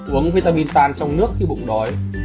uống vitamin tan trong nước khi bụng đói